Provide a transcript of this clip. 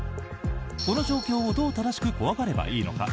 この状況をどう正しく怖がればいいのか？